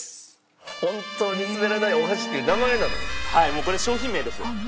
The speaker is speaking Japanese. もうこれ商品名です。